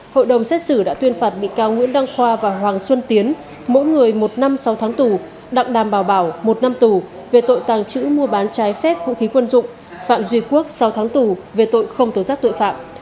hội đồng xét xử đã tuyên phạt bị cáo nguyễn đăng khoa và hoàng xuân tiến mỗi người một năm sáu tháng tù đặng đàm bảo bảo một năm tù về tội tàng trữ mua bán trái phép vũ khí quân dụng phạm duy quốc sáu tháng tù về tội không tổ giác tội phạm